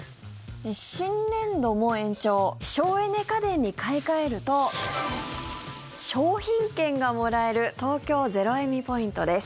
新年度も延長省エネ家電に買い替えると商品券がもらえる東京ゼロエミポイントです。